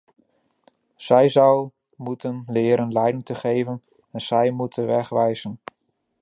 Zij zou moeten leren leiding te geven, en zij moet de weg wijzen.